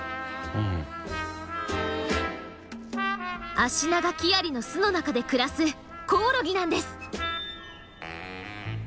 アシナガキアリの巣の中で暮らすコオロギなんです。